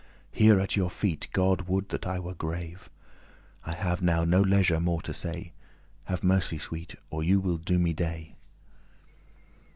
Here at your feet God would that I were grave. I have now no leisure more to say: Have mercy, sweet, or you will *do me dey."